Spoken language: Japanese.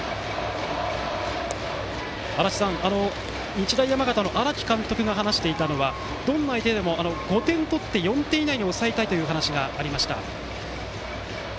日大山形の荒木監督が話していたのはどんな相手でも５点取って４点以内に抑えたいという話がありました。